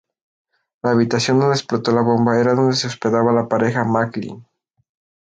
La habitación donde explotó la bomba era donde se hospedaba la pareja Maclean.